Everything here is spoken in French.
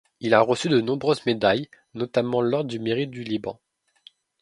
Il a reçu de nombreuses médailles, notamment l'ordre du Mérite du Liban.